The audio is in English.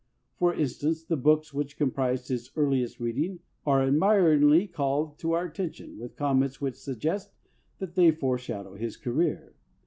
For in stance, the books which comprised his earliest reading are admiringly called to our attention, with comments which suggest that they fore shadow his career.